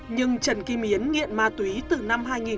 nhưng trần kim yến nghiện ma túy không có tiền